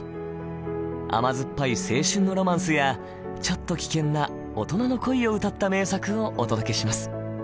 甘酸っぱい青春のロマンスやちょっと危険な大人の恋を歌った名作をお届けします。